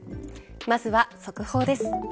まずは速報です。